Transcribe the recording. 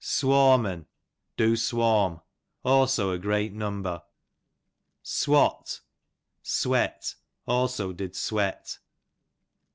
Swarm'n, do swarm ; also a great number. Swat, sweat; also did sweat.